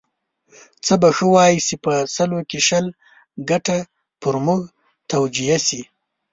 څه به ښه وای چې په سلو کې شل ګټه پر موږ توجیه شي.